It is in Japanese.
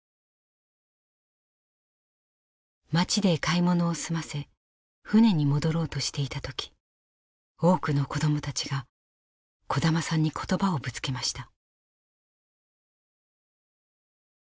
町で買い物を済ませ船に戻ろうとしていた時多くの子供たちが小玉さんに言葉をぶつけました。